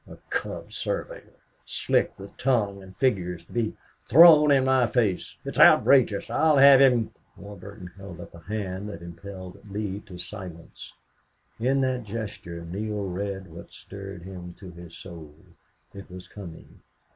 A cub surveyor slick with tongue and figures to be thrown in my face! It's outrageous! I'll have him " Warburton held up a hand and impelled Lee to silence. In that gesture Neale read what stirred him to his soul. It was coming.